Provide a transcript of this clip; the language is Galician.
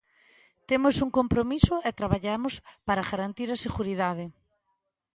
Temos un compromiso e traballamos para garantir a seguridade.